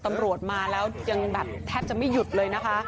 ตำรวจมาแล้วยังแบบแทบจะไม่หยุดเลยนะคะ